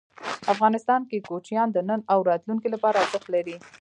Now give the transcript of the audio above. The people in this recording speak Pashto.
افغانستان کې کوچیان د نن او راتلونکي لپاره ارزښت لري.